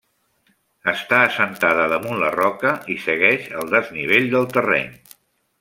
Està assentada damunt la roca i segueix el desnivell del terreny.